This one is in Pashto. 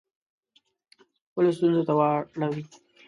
خپلو ستونزو ته واړوي.